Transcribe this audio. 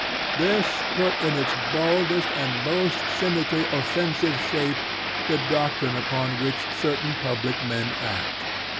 This put in its baldest and most cjmically offensive shape the doctrine upon which certain public men act.